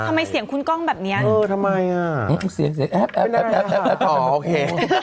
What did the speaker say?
ทำไมเสียงคุณกล้องแบบนี้เออทำไมอ่ะแอ๊บอ๋อโอเค